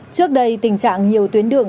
trước đây tình trạng nhiều tuyến đường